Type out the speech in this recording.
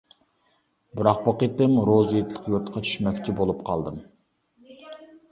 بىراق بۇ قېتىم روزا ھېيتلىق يۇرتقا چۈشمەكچى بولۇپ قالدىم.